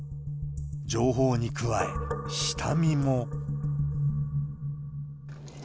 情報に加え、下見も？